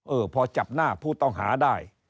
เออพอจับหน้าผู้ต้องหาได้